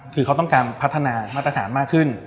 คือเขาต้องการพัฒนามาตรฐานมากขึ้น